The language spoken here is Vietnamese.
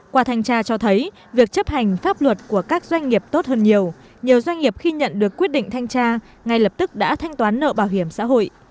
qua thanh tra cho thấy việc chấp hành pháp luật của các doanh nghiệp tốt hơn nhiều nhiều doanh nghiệp khi nhận được quyết định thanh tra ngay lập tức đã thanh toán nợ bảo hiểm xã hội